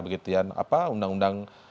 begitian apa undang undang